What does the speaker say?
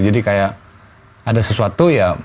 jadi kayak ada sesuatu ya